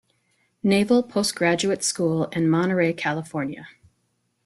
Naval Postgraduate School in Monterey, California.